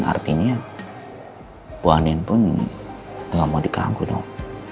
artinya bu anin pun gak mau dikanggu dong